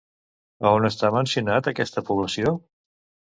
A on està mencionat aquesta població?